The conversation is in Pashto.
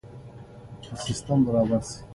ټول انسانان له يوې مادې خلق شوي.